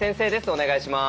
お願いします。